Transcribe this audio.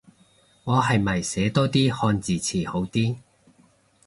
我係咪寫多啲漢字詞好啲